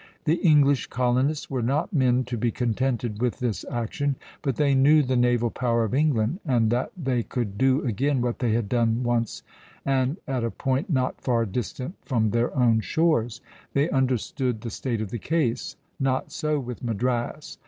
The English colonists were not men to be contented with this action; but they knew the naval power of England, and that they could do again what they had done once, at a point not far distant from their own shores. They understood the state of the case. Not so with Madras.